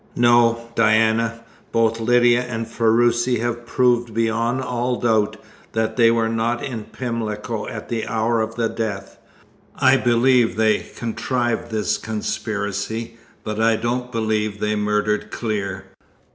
"No, Diana. Both Lydia and Ferruci have proved beyond all doubt that they were not in Pimlico at the hour of the death. I believe they contrived this conspiracy, but I don't believe they murdered Clear."